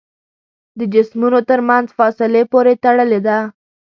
د جسمونو تر منځ فاصلې پورې تړلې ده.